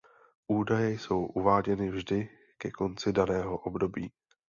Údaje jsou uváděny vždy ke konci daného období.